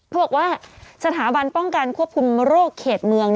เขาบอกว่าสถาบันป้องกันควบคุมโรคเขตเมือง